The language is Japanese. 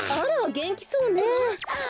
げんきそうね。